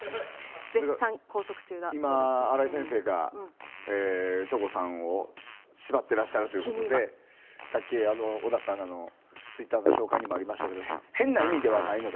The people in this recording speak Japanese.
今、荒井先生が省吾さんを縛ってらっしゃるってことでさっき、小高アナのツイッターの紹介にもありましたが変な意味ではないのでね